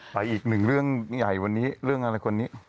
อีกหนึ่งเรื่องใหญ่วันนี้เรื่องอะไรคนนี้